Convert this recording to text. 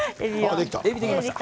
えび、できました。